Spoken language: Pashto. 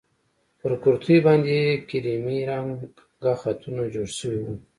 پر کورتۍ باندې يې کيريمي رنګه خطونه جوړ شوي وو.